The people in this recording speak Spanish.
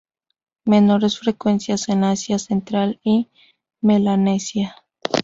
Menores frecuencias en Asia Central y Melanesia.